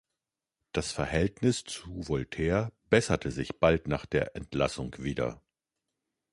Das Verhältnis zu Voltaire besserte sich bald nach der Entlassung wieder.